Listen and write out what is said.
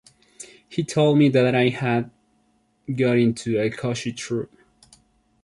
He told me that I had got into a cushy troop.